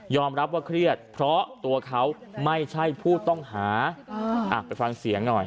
รับว่าเครียดเพราะตัวเขาไม่ใช่ผู้ต้องหาไปฟังเสียงหน่อย